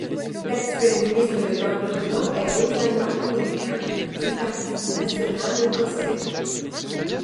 L'actuelle ministre de l'Environnement est Roseanna Cunningham du Parti national écossais.